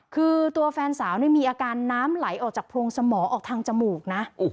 คือตัวแฟนสาวมีอาการน้ำไหลออกจากโพรงสมองออกทางจมูกนะ